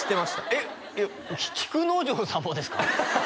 えっ菊之丞さんもですか？